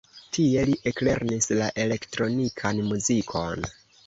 Tie li eklernis la elektronikan muzikon.